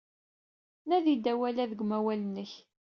Nadi-d awal-a deg umawal-nnek.